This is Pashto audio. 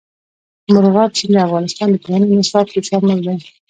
مورغاب سیند د افغانستان د پوهنې نصاب کې شامل دی.